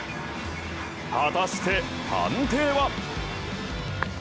果たして判定は？